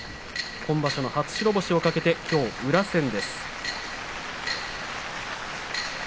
今場所の初白星を懸けてきょうは宇良戦です。